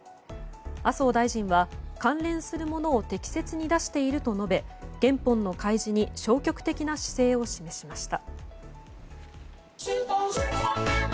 麻生大臣は、関連するものを適切に出していると述べ原本の開示に消極的な姿勢を示しました。